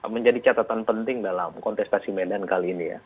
menjadi catatan penting dalam kontestasi medan kali ini ya